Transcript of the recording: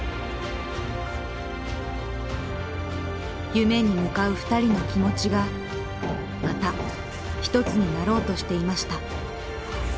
夢に向かう２人の気持ちがまた一つになろうとしていました。